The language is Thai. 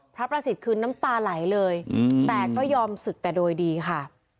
พระประสิทธิ์คือน้ำตาไหลเลยแต่ก็ยอมศึกแต่โดยดีค่ะ